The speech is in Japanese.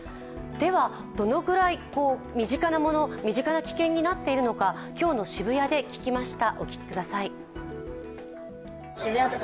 ではどのくらい身近な危険になっているのか今日の渋谷で聞きました。